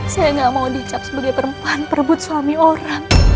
saya gak mau dicap sebagai perempuan perebut suami orang